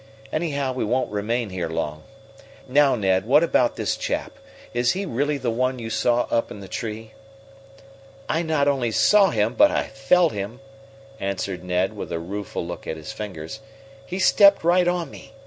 Anyhow we won't remain here long. Now, Ned, what about this chap? Is he really the one you saw up in the tree?" "I not only saw him but I felt him," answered Ned, with a rueful look at his fingers. "He stepped right on me.